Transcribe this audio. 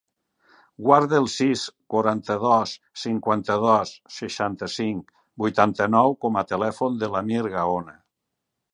Guarda el sis, quaranta-dos, cinquanta-dos, seixanta-cinc, vuitanta-nou com a telèfon de l'Amir Gaona.